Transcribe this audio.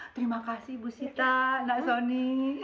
terima kasih ibu sita mbak soni